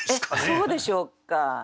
そうでしょうか。